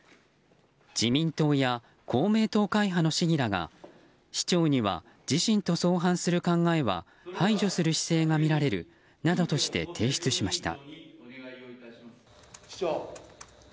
自民党や公明党会派の市議らが市長には自身と相反する考えは排除する姿勢がみられるなどとして提出しました。